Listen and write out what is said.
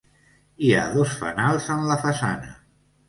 Hi ha dos fanals en la façana.